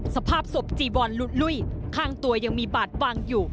สภาพศพจีวอนหลุดลุ้ยข้างตัวยังมีบาดวางอยู่